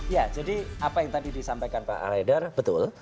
ya jadi apa yang tadi disampaikan pak aledar betul